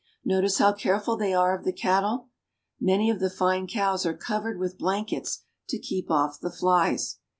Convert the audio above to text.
Notice how careful they are of the cattle. Many of the fine cows are covered with blankets to keep off the flies.